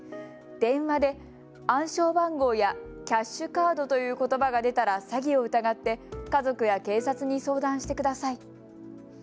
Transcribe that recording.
電話で暗証番号やキャッシュカードということばが出たら詐欺を疑って家族や警察に相談してください。